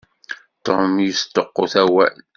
Tom yesṭuqut awal.